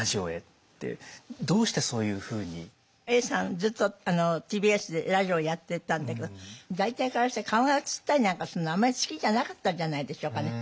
ずっとＴＢＳでラジオやってたんだけど大体からして顔が映ったりなんかするのあんまり好きじゃなかったんじゃないでしょうかね。